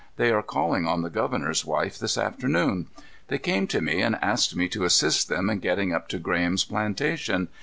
They are calling on the governor's wife this afternoon. They came to me and asked me to assist them in getting up to Graham's plantation.